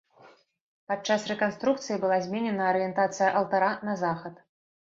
Пад час рэканструкцыі была зменена арыентацыя алтара на захад.